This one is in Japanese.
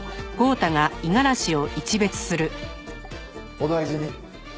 お大事に。